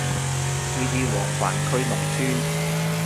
呢啲黃泛區農村